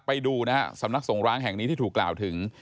ไปดูนะฮะสำนักสงร้างแห่งนี้ที่ถูกกล่าวถึง